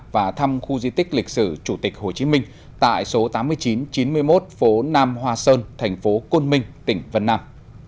và thăm khu di tích lịch sử chủ tịch hồ chí minh tại số tám nghìn chín trăm chín mươi một phố nam hòa sơn thành phố côn minh tỉnh vân nam